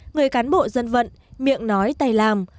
người cán bộ dân vận miệng nói tay làm